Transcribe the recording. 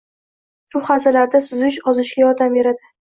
Suv havzalarida suzish ozishga yordam beradi.